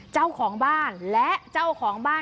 เจ้าของบ้านและเจ้าของบ้าน